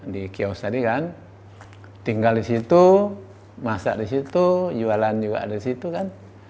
di kios tadi kan tinggal di situ masak di situ jualan juga ada di situ kan